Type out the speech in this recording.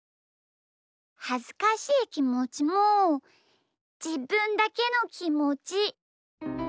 はずかしいきもちもじぶんだけのきもち。